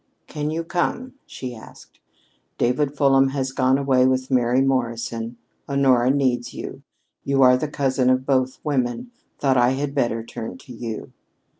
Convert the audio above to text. "Can you come?" she asked. "David Fulham has gone away with Mary Morrison. Honora needs you. You are the cousin of both women. Thought I had better turn to you."